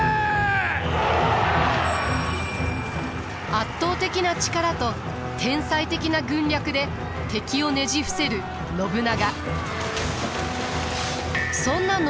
圧倒的な力と天才的な軍略で敵をねじ伏せる信長。